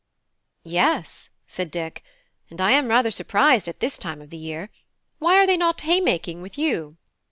"Yes," said Dick, "and I am rather surprised at this time of the year; why are they not haymaking with you?"